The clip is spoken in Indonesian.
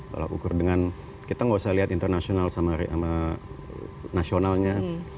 kita tidak perlu melihat internasional sama nasionalnya